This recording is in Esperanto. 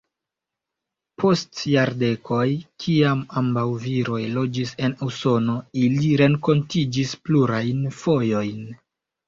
Post jardekoj kiam ambaŭ viroj loĝis en Usono, ili renkontiĝis plurajn fojojn.